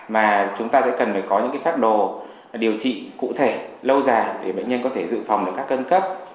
mà chúng ta sẽ cần phải có những pháp đồ điều trị cụ thể lâu dài để bệnh nhân có thể dự phòng được các cân cấp